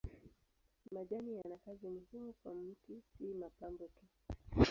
Majani yana kazi muhimu kwa mti si mapambo tu.